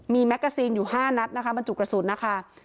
มีทระบอกอยู่๕นัดด้วยดังกระสุนนะคะ